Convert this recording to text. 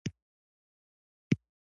جنرال لو اکثر کسان خوشي کړل.